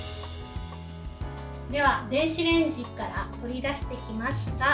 では、電子レンジから取り出してきました。